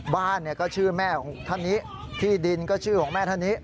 บ้านก็ชื่อแม่ของท่านนี้ที่ดินก็ชื่อของแม่ท่านนี้